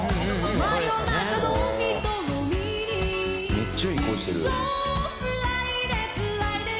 「めっちゃいい声してる」